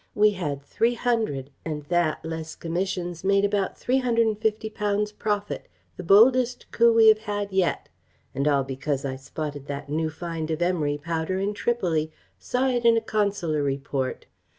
We had three hundred, and that, less commissions, made about £350 profit; the boldest coup we have had yet. And all because I spotted that new find of emery powder in Tripoli, saw it in a Consular Report....